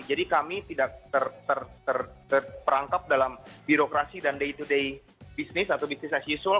jadi kami tidak terperangkap dalam birokrasi dan day to day bisnis atau bisnis as usual